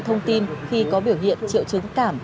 thông tin khi có biểu hiện triệu chứng cảm